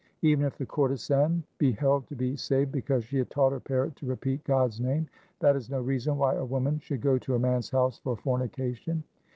Even if the courtesan be held to be saved because she had taught her parrot to repeat God's name, that is no reason why a woman should go to a man's house for fornication.